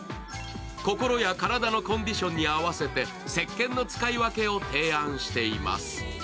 心や体のコンディションに合わせて、せっけんの使い分けを提案しています。